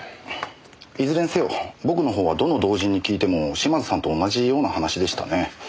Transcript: いずれにせよ僕のほうはどの同人に聞いても島津さんと同じような話でしたね。